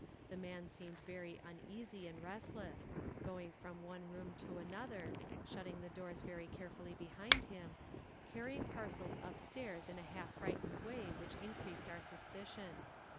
The man seemed very uneasy and restless, going from one room to another, shutting the doors very carefully behind him, carrying parcels up stairs in a half frightened way which increased our suspicion.